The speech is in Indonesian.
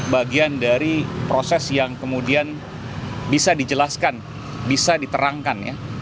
bagian dari proses yang kemudian bisa dijelaskan bisa diterangkan ya